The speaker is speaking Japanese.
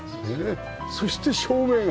そして照明が。